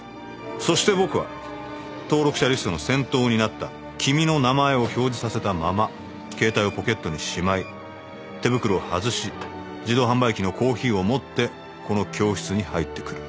そして僕は登録者リストの先頭になった君の名前を表示させたまま携帯をポケットにしまい手袋を外し自動販売機のコーヒーを持ってこの教室に入ってくる。